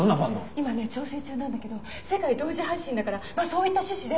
今ね調整中なんだけど世界同時配信だからそういった趣旨で。